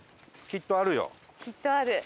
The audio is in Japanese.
きっとある。